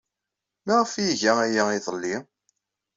Maɣef ay iga aya iḍelli?